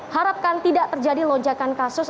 harapkan tidak terjadi lonjakan kasus